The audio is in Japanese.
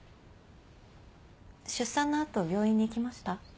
出産の後病院に行きました？